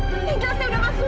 tinggal saya udah masuk